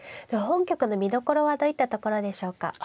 では本局の見どころはどういったところでしょうか。